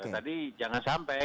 jadi jangan sampai